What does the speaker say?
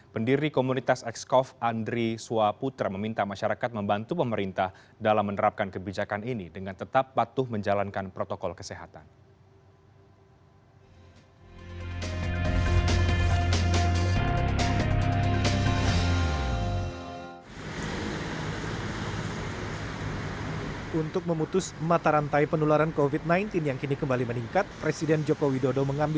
pendiri komunitas excov andri swaputra meminta masyarakat membantu pemerintah dalam menerapkan kebijakan ini dengan tetap patuh menjalankan protokol kesehatan